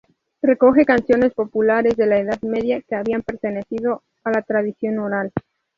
Recoge canciones populares de la Edad Media, que habían pertenecido a la tradición oral.